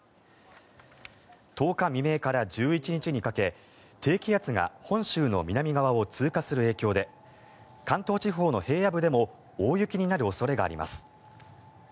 １０日未明から１１日にかけ低気圧が本州の南側を通過する影響で関東地方の平野部でも大雪になる恐れがあります。